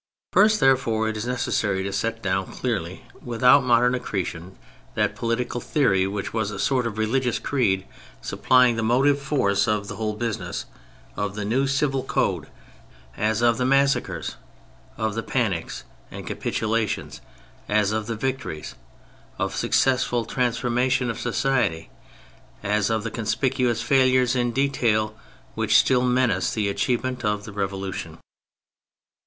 First, therefore, it is necessary to set down, clearly without modern accretion, that political theory which was a sort of religious creed, supplying the motive force of the whole business; of the new Civil Code as of the massacres ; of the panics and capitulations as of the victories ; of the successful trans formation of society as of the conspicuous failures in detail which still menace the achievement of the Revolution.